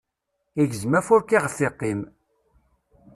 Igzem afurk iɣef iqqim.